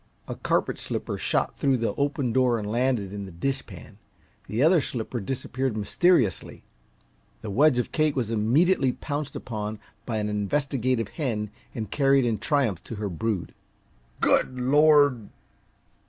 A carpet slipper shot through the open door and landed in the dishpan; the other slipper disappeared mysteriously. The wedge of cake was immediately pounced upon by an investigative hen and carried in triumph to her brood. "Good Lord!"